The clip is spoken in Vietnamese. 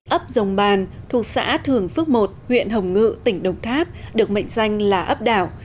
ấp dòng bàn thuộc xã thường phước một huyện hồng ngự tỉnh đồng tháp được mệnh danh là ấp đảo